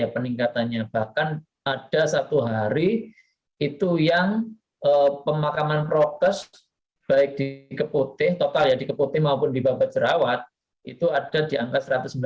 peningkatannya bahkan ada satu hari itu yang pemakaman prokes baik di keputi maupun di bapak jerawat itu ada di angka satu ratus sembilan puluh tujuh